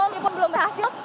walaupun belum berhasil